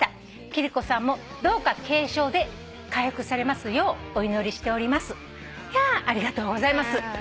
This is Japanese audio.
「貴理子さんもどうか軽症で回復されますようお祈りしております」ひゃありがとうございます。